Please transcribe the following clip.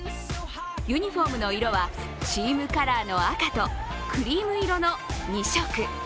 ユニフォームの色はチームカーラの赤とクリーム色の２色。